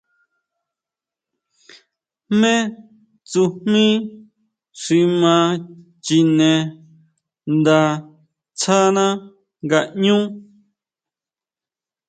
Jmé tsujmí xi ma chine nda tsáná ngaʼñú.